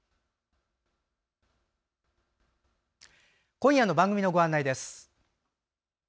今夜の番組のご案内です。